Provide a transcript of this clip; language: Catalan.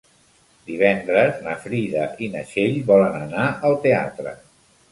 Divendres na Frida i na Txell volen anar al teatre.